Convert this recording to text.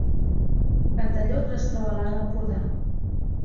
Cantallops es troba a l’Alt Empordà